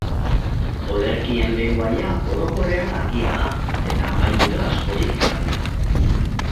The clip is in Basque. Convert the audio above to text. Olerkien lengoaia orokorrean argia da, eta apaindura askorik gabea.